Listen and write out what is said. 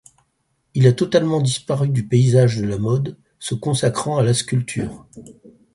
Il a totalement disparu du paysage de la mode, se consacrant à la sculpture.